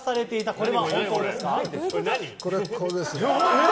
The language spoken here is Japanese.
これはこれですね。